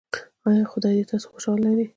ایا خدای دې تاسو خوشحاله لري؟